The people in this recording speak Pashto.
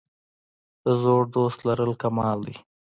د زوړ دوست لرل کمال دی.